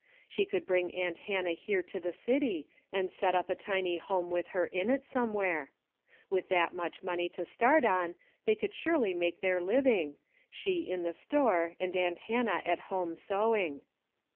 She could bring aunt Hannah here to the city, and set up a tiny home with her in it somewhere. With that much money to start on, they could surely make their living, she in the store and aunt Hannah at home sewing.